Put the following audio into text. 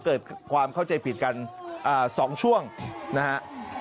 เกิดความเข้าใจผิดกัน๒ช่วงนะฮะ